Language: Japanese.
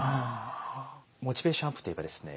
モチベーションアップといえばですね